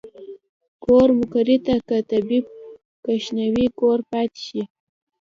کور مقري ته کۀ طبيب کښېنوې کور پاتې شي